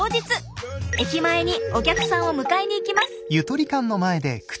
駅前にお客さんを迎えに行きます！